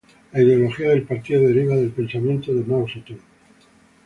La ideología del partido deriva del pensamiento de Mao Zedong.